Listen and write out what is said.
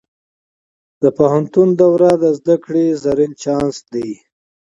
د پوهنتون دوره د زده کړې زرین چانس دی.